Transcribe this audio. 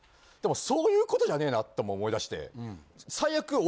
でもそういうことじゃねえなっとも思いだして。